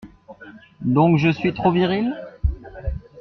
Donc je suis trop viril?